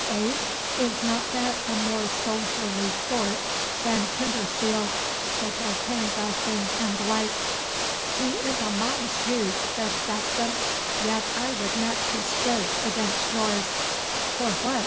Eh? Is not that a more soldierly sport than kinderspiel such as hand grasping and the like?' 'He is a modest youth,' said Saxon. 'Yet I would match his stroke against yours.' 'For what?